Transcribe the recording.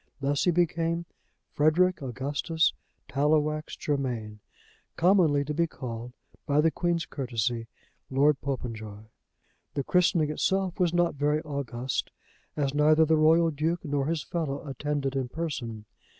Thus he became Frederic Augustus Tallowax Germain, commonly to be called, by the Queen's courtesy, Lord Popenjoy. The christening itself was not very august, as neither the Royal Duke nor his fellow attended in person.